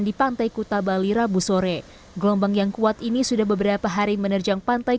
di pantai kuta bali rabu sore gelombang yang kuat ini sudah beberapa hari menerjang pantai